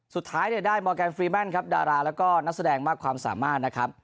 สุดท้ายเนี่ยได้มอร์แกนฟรีแมนครับดาราแล้วก็นักแสดงมากความสามารถนะครับ